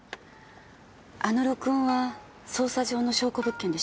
あの録音は捜査上の証拠物件でしょ？